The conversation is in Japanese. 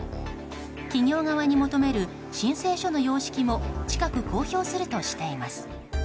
企業側に求める申請書の様式も近く公表するとしています。